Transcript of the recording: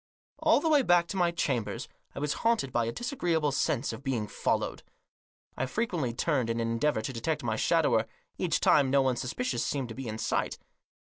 All the way back to my chambers I was haunted by a disagreeable sense of being followed. I frequently turned in an endeavour to detect my shadower; each time no one suspicious seemed to be in sight.